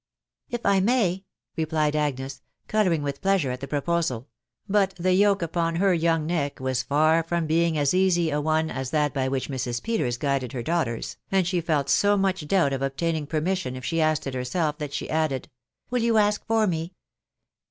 " If I may !".... replied Agnes, colouring with p^rur at the proposal ; but the yoke upon her young neck was far from being as easy a one as that by which Mrs. Peters guided her daughters, and she felt so much doubt of obtaining per mission if she asked it herself, that she added, " Will you jus; forme?"